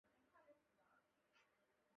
此地还有一处同名的山中小屋。